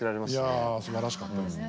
いやすばらしかったです。